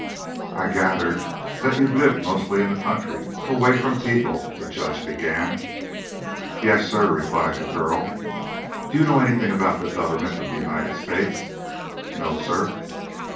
"I gather that you've lived mostly in the country away from people?" the judge began. "Yes, sir," replied the girl. "Do you know anything about the government of the United States?" "No, sir."